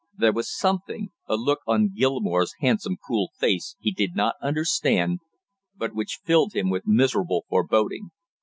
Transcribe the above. There was something, a look on Gilmore's handsome cruel face, he did not understand but which filled him with miserable foreboding.